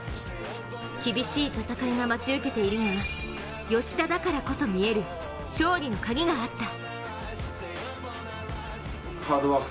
厳しい戦いが待ち受けているが吉田だからこそ見える勝利のカギがあった。